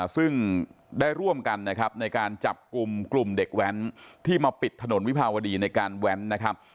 ซึ่งได้ร่วมกันนะครับในการจับกลุ่มกลุ่มเด็กแว้นที่มาปิดถนนวิภาวดีในการแว้นนะครับ